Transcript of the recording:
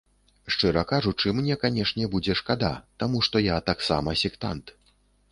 Шчыра кажучы, мне канешне будзе шкада, таму што я таксама сектант.